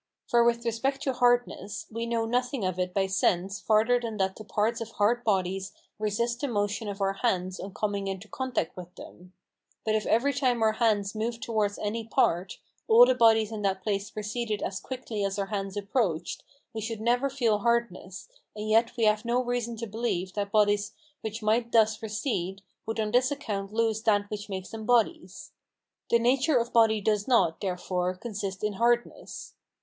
For with respect to hardness, we know nothing of it by sense farther than that the parts of hard bodies resist the motion of our hands on coming into contact with them; but if every time our hands moved towards any part, all the bodies in that place receded as quickly as our hands approached, we should never feel hardness; and yet we have no reason to believe that bodies which might thus recede would on this account lose that which makes them bodies. The nature of body does not, therefore, consist in hardness.